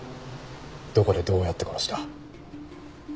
どこでどうやって殺した？